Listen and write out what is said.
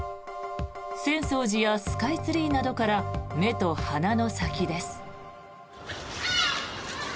浅草寺やスカイツリーなどから目と鼻の先です。